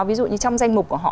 ví dụ như trong danh mục của họ